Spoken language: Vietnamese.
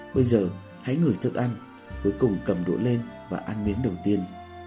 bây giờ hãy ngửi thức ăn cuối cùng cầm đũa lên và ăn miếng đầu tiên